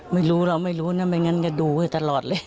ไม่รู้เหรอไม่รู้นะบ้างงั้นก็ดูด้วยตลอดเลย